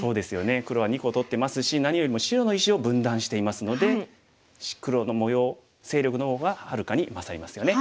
黒は２個取ってますし何よりも白の石を分断していますので黒の模様勢力の方がはるかに勝りますよね。